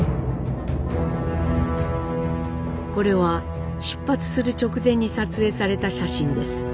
これは出発する直前に撮影された写真です。